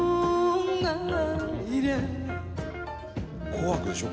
「『紅白』でしょ？